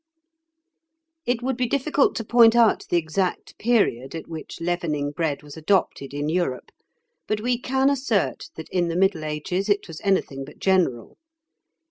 It would be difficult to point out the exact period at which leavening bread was adopted in Europe, but we can assert that in the Middle Ages it was anything but general.